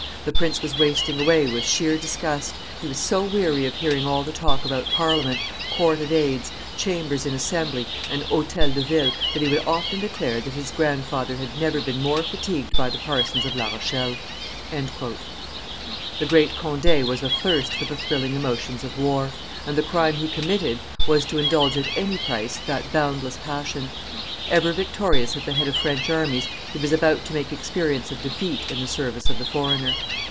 "The prince was wasting away with sheer disgust; he was so weary of hearing all the talk about Parliament, court of aids, chambers in assembly, and Hotel de Ville, that he would often declare that his grandfather had never been more fatigued by the parsons of La Rochelle." The great Conde was athirst for the thrilling emotions of war; and the crime he committed was to indulge at any price that boundless passion. Ever victorious at the head of French armies, he was about to make experience of defeat in the service of the foreigner.